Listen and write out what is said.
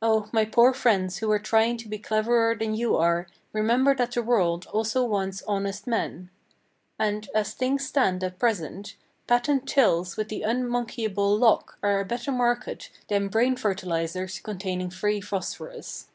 Oh, my poor friends who are trying to be cleverer than you are, remember that the world also wants honest men. And, as things stand at present, Patent Tills with the Unmonkeyable Lock are a better market than Brain Fertilizers containing Free Phosphorus.